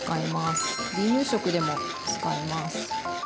離乳食でも使えます。